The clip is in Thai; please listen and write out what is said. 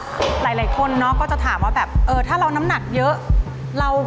หลายคนเนาะก็จะถามว่าแบบเออถ้าเราน้ำหนักเยอะ